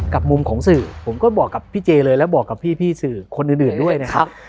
กับมุมของสื่อผมก็บอกกับพี่เจเลยแล้วบอกกับพี่สื่อคนอื่นด้วยนะครับ